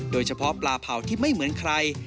โดยเฉพาะปลาเผาที่ไม่เหมือนใคร